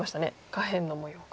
下辺の模様が。